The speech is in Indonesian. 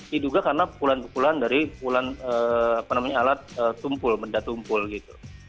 diduga karena pukulan pukulan dari pukulan apa namanya alat tumpul benda tumpul gitu